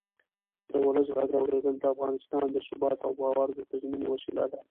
د ولس غږ اورېدل د افغانستان د ثبات او باور د تضمین وسیله ده